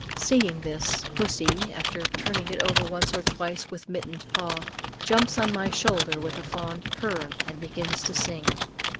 Seeing this, pussy, after turning it over once or twice with mittened paw, jumps on my shoulder with a fond "purr rn," and begins to sing.